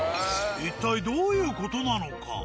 一体どういう事なのか？